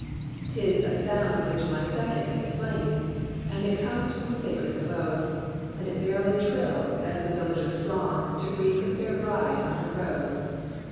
'Tis a sound which my second explains, And it comes from a sacred abode, And it merrily trills as the villagers throng To greet the fair bride on her road.